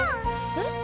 えっ？